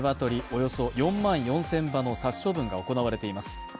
およそ４万４０００羽の殺処分が行われています。